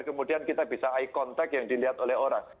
kemudian kita bisa eye contact yang dilihat oleh orang